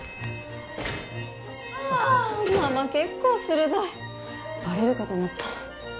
あママ結構鋭いバレるかと思った